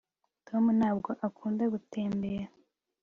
tom ntabwo akunda gutembera